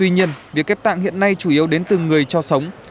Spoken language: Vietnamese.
nhiều người ghép tạng hiện nay chủ yếu đến từng người cho sống